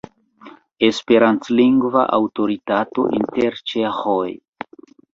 Esperantlingva aŭtoritato inter ĉeĥoj.